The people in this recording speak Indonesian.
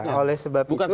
ya oleh sebab itulah